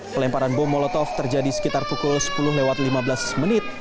pelemparan bom molotov terjadi sekitar pukul sepuluh lewat lima belas menit